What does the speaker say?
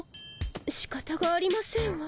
しかたがありませんわ。